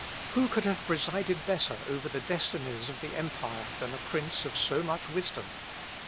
Who could have presided better over the destinies of the empire than a prince of so much wisdom?